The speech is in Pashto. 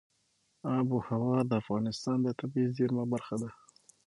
آب وهوا د افغانستان د طبیعي زیرمو برخه ده.